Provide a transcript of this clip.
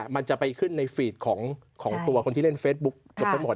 มันจะไปขึ้นในฟีดของตัวคนที่เล่นเฟซบุ๊กเกือบทั้งหมด